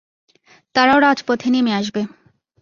তারাও রাজপথে নেমে আসবে।